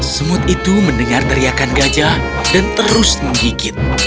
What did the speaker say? semut itu mendengar teriakan gajah dan terus menggigit